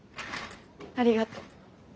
ありがとう。